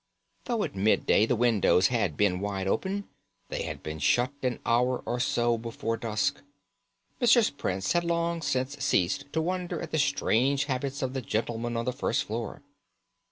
Though at midday the windows had been wide open, they had been shut an hour or so before dusk. Mrs. Prince had long since ceased to wonder at the strange habits of the gentlemen on the first floor.